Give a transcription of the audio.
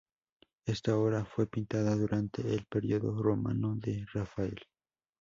Esta obra fue pintada durante el periodo romano de Rafael.